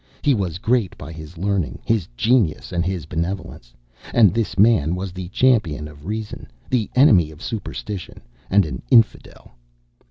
He was great by his learning, his genius, and his benevolence and this man was the champion of Reason, the enemy of superstition, and an "Infidel."